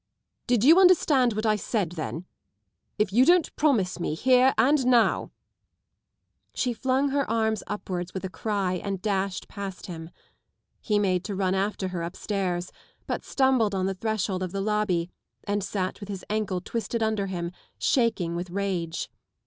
" Did you understand what I said then? If you don't promise me heTe and nowŌĆö " She flung her arms upwards with a cry and dashed past him. He made to run after her upstairs, but stumbled on the threshold of the lobby and sat with his ankle twisted under him, shaking with rage.